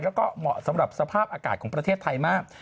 แล้วก็เหมาะสำหรับสภาพอากาศของประเทศไทยมาก